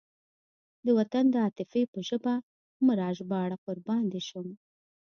د وطن د عاطفې په ژبه مه راژباړه قربان دې شم.